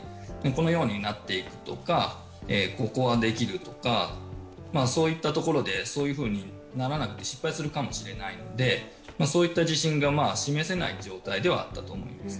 このようになっていくとかここはできるとかそういったところで、そうならなくて失敗するかもしれないので、自信が示せない状態ではあったと思います。